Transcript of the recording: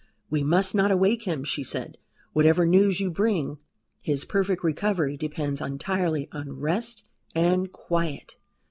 "We must not awake him," she said, "whatever news you bring. His perfect recovery depends entirely on rest and quiet.